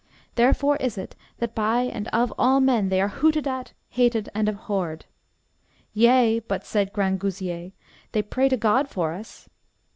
Therefore is it that by and of all men they are hooted at, hated, and abhorred. Yea, but, said Grangousier, they pray to God for us.